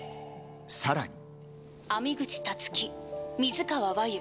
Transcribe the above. さらに。